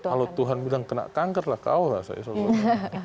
kalau tuhan bilang kena kanker lah kawah saya selalu bilang